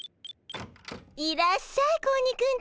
いらっしゃい子鬼くんたち。